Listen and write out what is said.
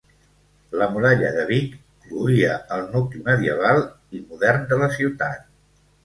La muralla de Vic cloïa el nucli medieval i modern de la ciutat.